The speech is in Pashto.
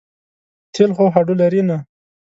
تېل خو هډو لري نه.